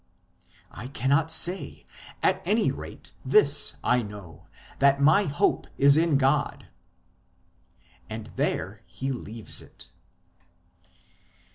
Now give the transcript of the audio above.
I cannot say ; at any rate, this I know, that my hope is in God." 1 And there he leaves it.